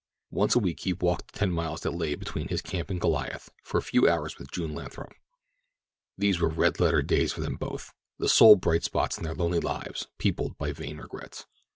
Once a week he walked the ten miles that lay between his camp and Goliath for a few hours with June Lathrop. These were red letter days for them both—the sole bright spots in their lonely lives peopled by vain regrets.